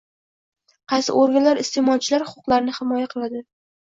Qaysi organlar iste’molchilar huquqlarini himoya qiladi?